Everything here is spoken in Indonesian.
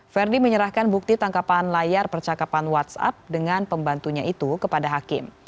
verdi menyerahkan bukti tangkapan layar percakapan whatsapp dengan pembantunya itu kepada hakim